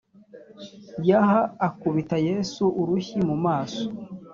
yh akubita yesu urushyi mu maso